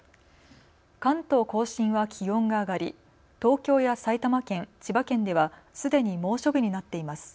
関東甲信は気温が上がり東京や埼玉県、千葉県ではすでに猛暑日になっています。